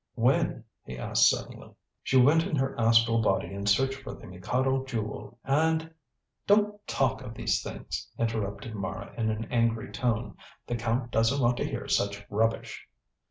"How? When?" he asked suddenly. "She went in her astral body in search for the Mikado Jewel, and " "Don't talk of these things," interrupted Mara, in an angry tone. "The Count doesn't want to hear such rubbish."